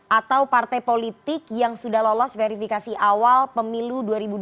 atau partai politik yang sudah lolos verifikasi awal pemilu dua ribu dua puluh